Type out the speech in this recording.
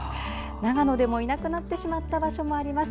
長野でも、いなくなってしまった場所もあります。